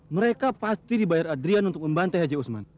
mereka pasti dibayar adrian untuk membantai haji usman